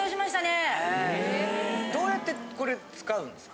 どうやってこれ使うんですか？